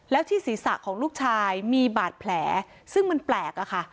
แล้วที่ศีรษะของลูกชายมีบาดแผลซึ่งมันแปลกอะค่ะ